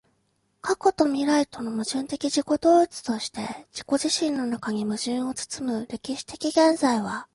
過去と未来との矛盾的自己同一として自己自身の中に矛盾を包む歴史的現在は、